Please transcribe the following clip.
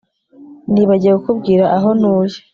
Nibagiwe kukubwira aho ntuye